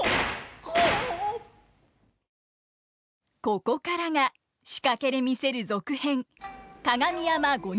ここからが仕掛けで見せる続編